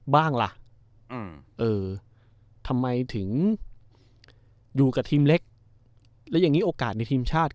บ้างล่ะทำไมถึงอยู่กับทีมเล็กแล้วอย่างนี้โอกาสในทีมชาติ